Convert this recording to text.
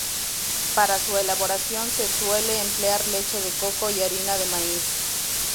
Para su elaboración se suele emplear leche de coco y harina de maíz.